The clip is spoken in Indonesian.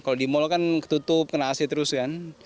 kalau di mal kan ketutup kena aset terus kan